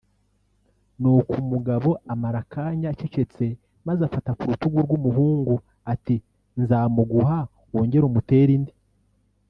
” Nuko umugabo amara akanya acecetse maze afata ku rutugu rw’umuhungu ati” nzamuguha wongere umutere indi